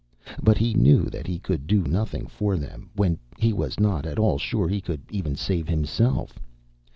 But he knew that he could do nothing for them, when he was not at all sure he could even save himself.